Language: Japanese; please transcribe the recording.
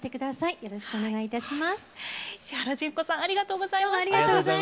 よろしくお願いします。